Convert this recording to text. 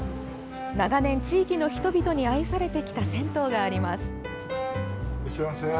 長年、地域の人々に愛されてきた銭湯があります。